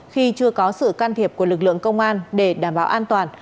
khi chưa có sự can thiệp của lực lượng công an để đảm bảo an toàn